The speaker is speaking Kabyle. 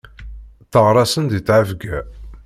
Tteɣraṣen si ttɛebga.